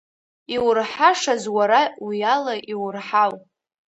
Иурҳашаз уара уиала иурҳау…